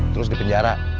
terus di penjara